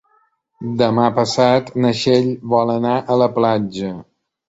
Demà passat na Txell vol anar a la platja.